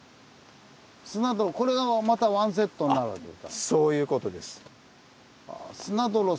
砂泥これがまたワンセットになるわけですか。